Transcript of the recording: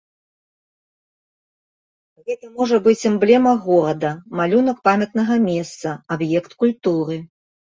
Гэта можа быць эмблема горада, малюнак памятнага месца, аб'ект культуры.